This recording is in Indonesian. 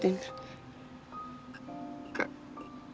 ini yang tertinggal bisa diterima